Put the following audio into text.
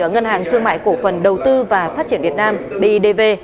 ngân hàng thương mại cổ phần đầu tư và phát triển việt nam bidv